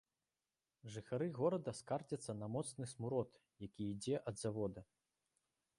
Жыхары горада скардзяцца на моцны смурод, які ідзе ад завода.